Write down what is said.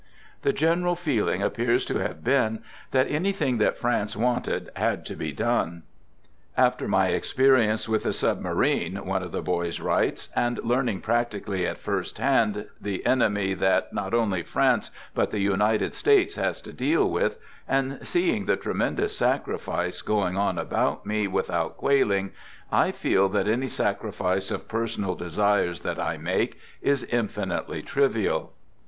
The general feeling appears to have been that anything that France wanted had to be done. " After my experience with the submarine, ,, one of the boys writes, " and learning practically at first hand the enemy that not only France, but the United States, has to deal with, and seeing the tremendous sacrifice going on about me without quailing, I feel that any sacrifice of personal desires that I make is infinitely trivial."